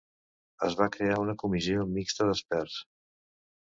Es va crear una comissió mixta d’experts.